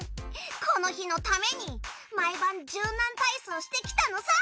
この日のために毎晩柔軟体操してきたのさ。